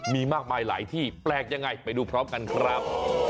มีมากมายหลายที่แปลกยังไงไปดูพร้อมกันครับ